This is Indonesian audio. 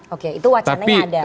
oke itu wacananya ada